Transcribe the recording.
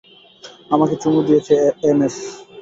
আমাকে চুমু দিয়েছে, এমএস।